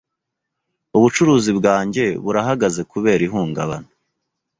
Ubucuruzi bwanjye burahagaze kubera ihungabana.